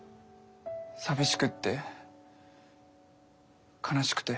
寂しくって悲しくて。